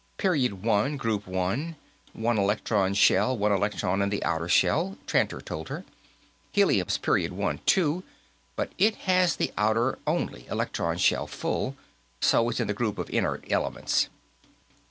"Period One, Group One. One electron shell, one electron in the outer shell," Tranter told her. "Helium's period one, too, but it has the outer only electron shell full, so it's in the group of inert elements."